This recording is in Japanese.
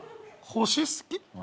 星好き。